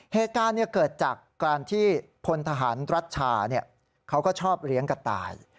เหตุการณ์เกิดจากการที่พลทหารรัชชาเขาก็ชอบเลี้ยงกระต่าย